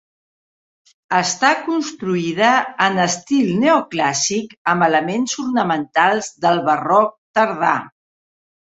Està construïda en estil neoclàssic amb elements ornamentals del barroc tardà.